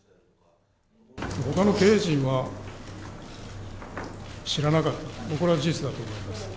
ほかの経営陣は知らなかった、もうこれは事実だと思います。